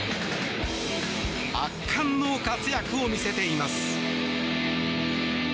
圧巻の活躍を見せています。